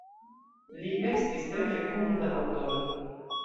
Li estis tre fekunda aŭtoro.